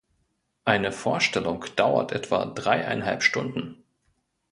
Eine Vorstellung dauert etwa dreieinhalb Stunden.